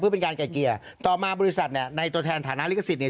เพื่อเป็นการไกลเกลี่ยต่อมาบริษัทเนี่ยในตัวแทนฐานะลิขสิทธิเนี่ย